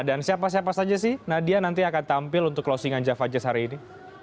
dan siapa siapa saja sih nadia nanti akan tampil untuk closing an java jazz hari ini